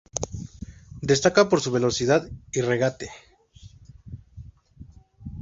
Destaca por su velocidad y regate.